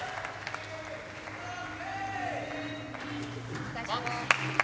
お願いします。